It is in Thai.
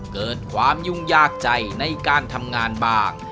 เกิดความยุ่งยากใจในการทำงานบ้าง